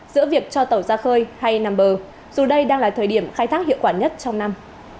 giữa việc cho tàu ra khơi hay nằm bờ dù đây đang là thời điểm khai thác hiệu quả nhất trong năm